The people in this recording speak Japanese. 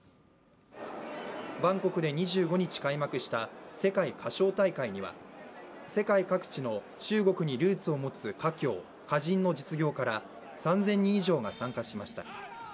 バンコクで２５日、開幕した世界華商大会には世界各地の中国にルーツを持つ華僑・華人の実業家ら３０００人以上が参加しました。